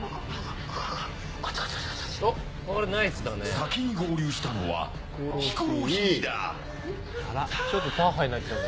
先に合流したのはヒコロヒーだ。